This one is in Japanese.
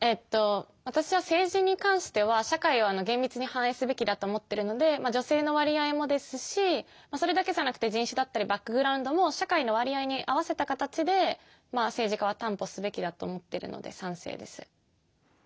私は政治に関しては社会は厳密に反映すべきだと思ってるので女性の割合もですしそれだけじゃなくて人種だったりバックグラウンドも社会の割合に合わせた形で政治家は担保すべきだと思っているので賛成です。